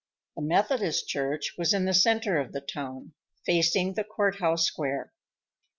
The Methodist Church was in the center of the town, facing the court house square.